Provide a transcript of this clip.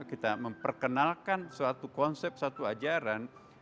kita memperkenalkan suatu konsep suatu ajaran